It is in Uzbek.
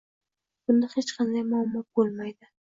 Bunda hech qanday muammo bo‘lmaydi.